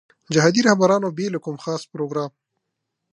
جهادي رهبرانو بې له کوم خاص پروګرام.